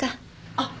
あっ。